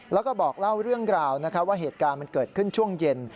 แล้วก็บอกเล่าเรื่องราวว่าเหตุการณ์มันเกิดขึ้นช่วงเย็น